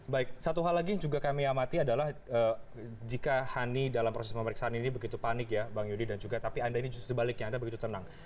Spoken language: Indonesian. baik satu hal lagi yang juga kami amati adalah jika hani dalam proses pemeriksaan ini begitu panik ya bang yudi dan juga tapi anda ini justru sebaliknya anda begitu tenang